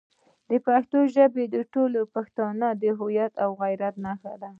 پښتو ژبه د ټولو پښتنو د هویت او غیرت نښه ده.